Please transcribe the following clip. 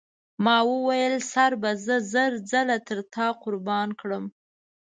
ما وویل سر به زه زر ځله تر تا قربان کړم.